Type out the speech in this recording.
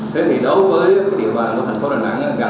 thế thì đối với địa bàn của thành phố đà nẵng